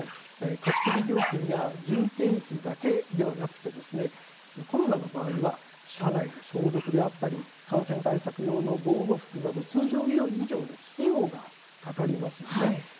貸し切り料金や人件費だけではなくコロナの場合は車内の消毒であったり感染対策用の防護服など通常以上の費用がかかりますよね。